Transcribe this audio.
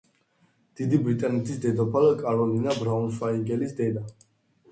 დიდი ბრიტანეთის დედოფალ კაროლინა ბრაუნშვაიგელის დედა.